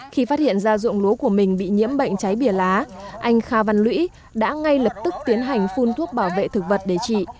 khi phát hiện ra dụng lúa của mình bị nhiễm bệnh cháy bìa lá anh kha văn lũy đã ngay lập tức tiến hành phun thuốc bảo vệ thực vật để trị